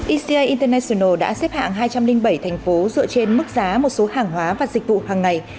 ica international đã xếp hạng hai trăm linh bảy thành phố dựa trên mức giá một số hàng hóa và dịch vụ hàng ngày